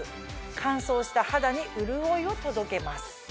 乾燥した肌に潤いを届けます。